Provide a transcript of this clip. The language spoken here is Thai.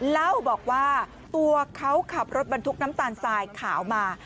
เล่าบอกว่าตัวเขาขับรถบรรทุกน้ำตาลทรายขาวมา